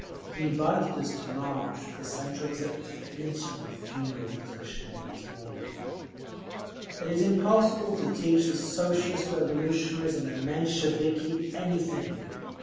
He invited us to march with the Central Executive Committee in the funeral procession next morning…. "It is impossible to teach the Socialist Revolutionaries and the Mensheviki anything!"